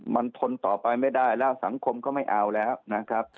มันทนต่อไปไม่ได้แล้วสังคมก็ไม่เอาแล้วนะครับ